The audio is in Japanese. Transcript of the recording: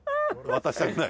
渡したくない。